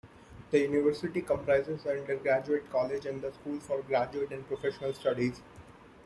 The university comprises the Undergraduate College and the School for Graduate and Professional Studies.